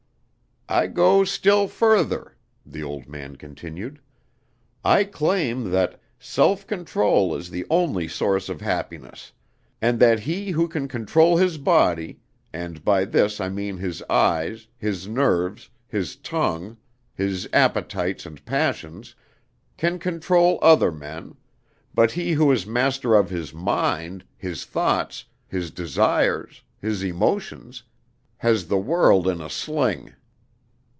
"I go still further," the old man continued. "I claim that _self control is the only source of happiness, and that he who can control his body and by this I mean his eyes, his nerves, his tongue, his appetites and passions can control other men; but he who is master of his mind, his thoughts, his desires, his emotions, has the world in a sling.